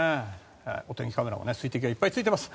お天気カメラも水滴がいっぱいついていました。